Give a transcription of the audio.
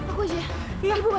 aku aja ya ibu bantu ibu